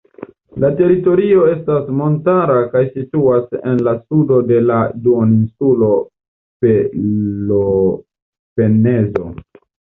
La teritorio estas montara kaj situas en la sudo de la duoninsulo Peloponezo.